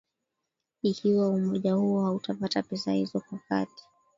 ikiwa umoja huo hautapata pesa hizo kwa kati